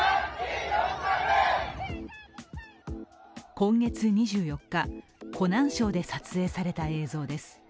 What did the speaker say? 今月２４日、湖南省で撮影された映像です。